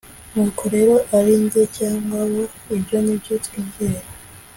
Nuko rero ari jye cyangwa bo ibyo ni byo twizera